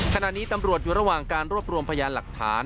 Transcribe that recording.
ขณะนี้ตำรวจอยู่ระหว่างการรวบรวมพยานหลักฐาน